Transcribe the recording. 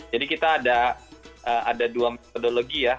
jadi kita ada dua metodologi ya